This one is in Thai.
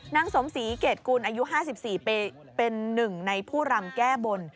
นางสมศรีเกรดกุลอายุ๕๔ปีเป็นหนึ่งในผู้รำแก้บน